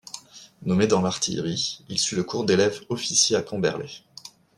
Nommé dans l'artillerie, il suit le cours d'élève-officier à Camberley.